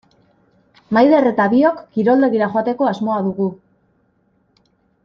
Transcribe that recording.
Maider eta biok kiroldegira joateko asmoa dugu.